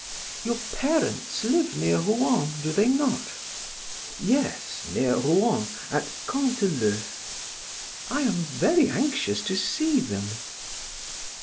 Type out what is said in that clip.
"Your parents live near Rouen, do they not?" "Yes, near Rouen, at Canteleu." "I am very anxious to see them!"